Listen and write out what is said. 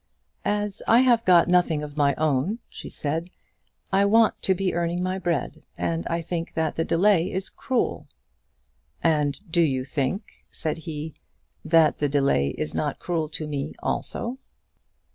"As I have got nothing of my own," she said, "I want to be earning my bread, and I think that the delay is cruel." "And do you think," said he, "that the delay is not cruel to me also?"